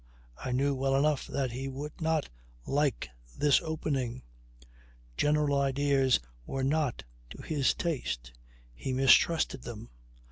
I knew well enough that he would not like this opening. General ideas were not to his taste. He mistrusted them.